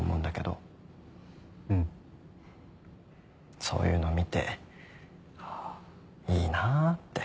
そういうの見てああいいなって。